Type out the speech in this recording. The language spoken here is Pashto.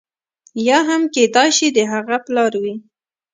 یا هم کېدای شي د هغه پلار وي.